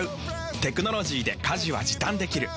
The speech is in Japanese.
テクノロジーで家事は時短できる。